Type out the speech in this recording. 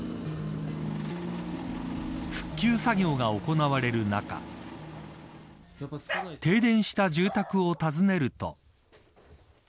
復旧作業が行われる中停電した住宅を訪ねると。